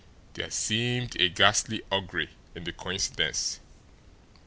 There seemed a ghastly augury in the coincidence.